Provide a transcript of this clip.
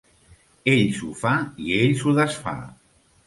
Ell s'ho fa i ell s'ho desfà.